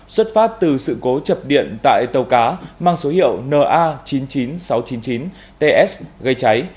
xuất phát từ sự cố chập điện tại tàu cá mang số hiệu na chín mươi chín nghìn sáu trăm chín mươi chín ts gây cháy